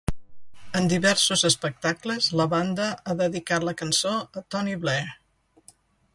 En diversos espectacles, la banda ha dedicat la cançó a Tony Blair.